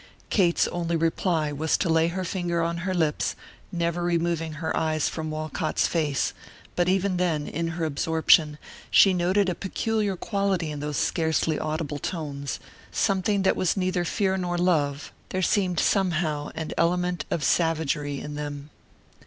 Kate's only reply was to lay her finger on her lips, never removing her eyes from Walcott's face, but even then, in her absorption, she noted a peculiar quality in those scarcely audible tones, something that was neither fear nor love; there seemed somehow an element of savagery in them.